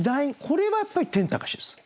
これはやっぱり「天高し」です。